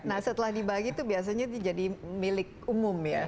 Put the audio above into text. nah setelah dibagi itu biasanya jadi milik umum ya